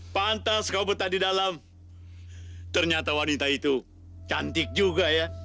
pantas kau betah di dalam ternyata wanita itu cantik juga ya